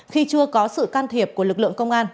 khi chưa có sự can thiệp của lực lượng công an